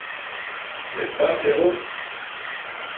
N’est-ce pas, Perrault ?